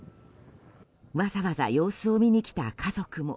わざわざ様子を見に来た家族も。